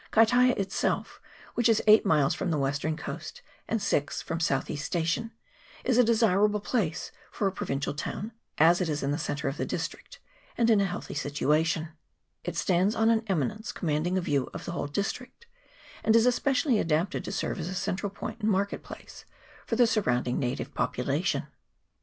Kaitaia itself, which is eight miles from the western coast, and six from Southee's station, is a desirable place for a provincial town, as it is in the centre of the district, and in a healthy situation ; it stands on an eminence commanding a view of the whole district, and is especially adapted to serve as a central point and market place for the sur rounding native population.